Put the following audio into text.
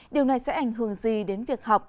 điều này sẽ ảnh hưởng gì đến việc học